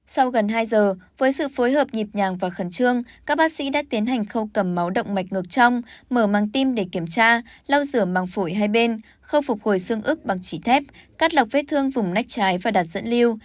sau gần hai giờ với sự phối hợp nhịp nhàng và khẩn trương các bác sĩ đã tiến hành khâu cầm máu động mạch ngược trong mở màng tim để kiểm tra lau rửa màng phổi hai bên không phục hồi xương ức bằng chỉ thép cắt lọc vết thương vùng nách trái và đặt dẫn lưu